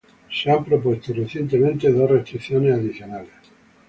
Dos restricciones adicionales han sido propuestas recientemente.